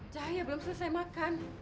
cahaya belum selesai makan